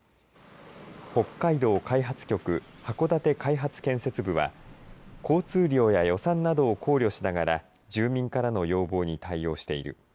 北海道開発局函館開発建設部は交通量や予算などを考慮しながら住民からの要望に対応している。